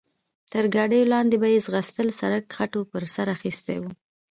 تر ګاډیو لاندې به یې ځغستل، سړک خټو پر سر اخیستی و.